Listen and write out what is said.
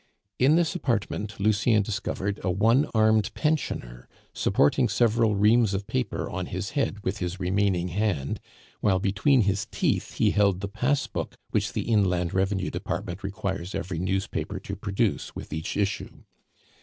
In this apartment Lucien discovered a one armed pensioner supporting several reams of paper on his head with his remaining hand, while between his teeth he held the passbook which the Inland Revenue Department requires every newspaper to produce with each issue.